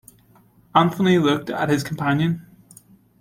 Anthony looked at his companion.